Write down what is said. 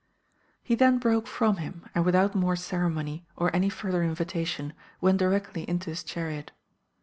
He then broke from him, and without more ceremony, or any further invitation, went directly into his chariot.